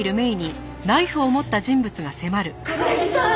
冠城さん！